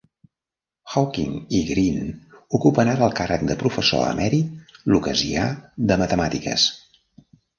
Hawking i Green ocupen ara el càrrec de professor emèrit lucasià de Matemàtiques.